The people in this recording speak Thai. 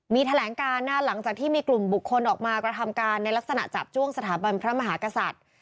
มีแถลงการหลังจากที่มีกลุ่มบุคคลออกมากระทำการในลักษณะจับจ้วงสถาบันพระมหากษัตริย์